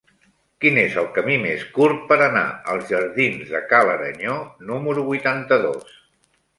Quin és el camí més curt per anar als jardins de Ca l'Aranyó número vuitanta-dos?